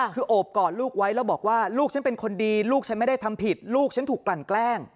คือโอบกอดลูกไว้แล้วบอกว่าลูกฉันเป็นคนดีลูกฉันไม่ได้ทำผิดลูกฉันถูกกลั่นแกล้ง